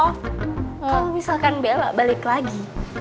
oh misalkan bella balik lagi